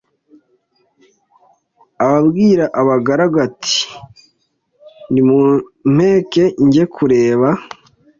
Abwira abagaragu ati nimumpeke njye kureba